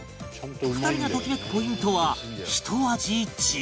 ２人がときめくポイントはひと味違う